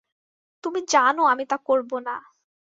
তুমি জানো আমি তা করব না।